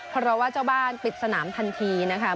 เพราะว่าเจ้าบ้านปิดสนามทันทีนะคะ